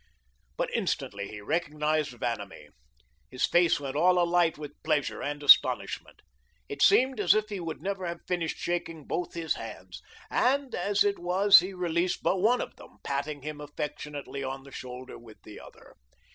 But instantly he recognised Vanamee. His face went all alight with pleasure and astonishment. It seemed as if he would never have finished shaking both his hands; and, as it was, he released but one of them, patting him affectionately on the shoulder with the other.